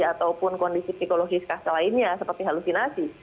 ataupun kondisi psikologis lainnya seperti halusinasi